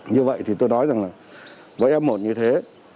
như vậy thì tôi nói rằng là với f một như thế